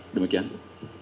apakah ada yang tidak tahu